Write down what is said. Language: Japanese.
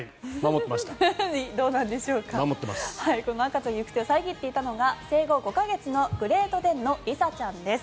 この赤ちゃんの行く手を遮っていたのが生後５か月のグレートデンのリサちゃんです。